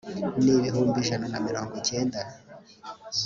n ibihumbi ijana na mirongo cyenda